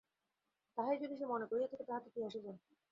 তাহাই যদি সে মনে করিয়া থাকে তাহাতে কী আসে যায়?